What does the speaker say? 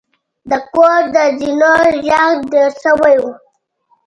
د کور د زینو غږ ډیر شوی و.